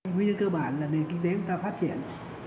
nguyên nhân cơ bản là nền kinh tế của chúng ta phát triển